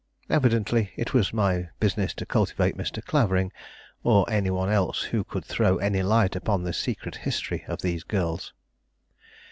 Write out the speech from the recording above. Evidently it was my business to cultivate Mr. Clavering, or any one else who could throw any light upon the secret history of these girls.